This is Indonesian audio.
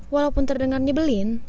walaupun terdengar nyebelin